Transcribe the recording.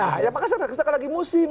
nah ya makanya sekarang lagi musim